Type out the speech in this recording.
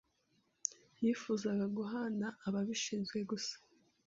Yifuzaga guhana ababishinzwe gusa.